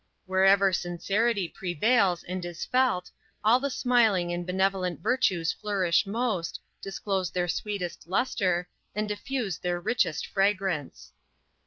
Wherever sincerity prevails and is felt, all the smiling and benevolent virtues flourish most, disclose their sweetest lustre, and diffuse their richest fragrance.